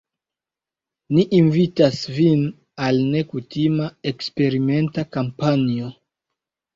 Ni invitas vin al nekutima, eksperimenta kampanjo.